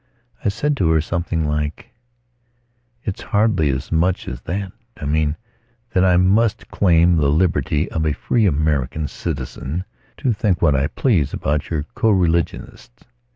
I said to her something like: "It's hardly as much as that. I mean, that I must claim the liberty of a free American citizen to think what I please about your co religionists.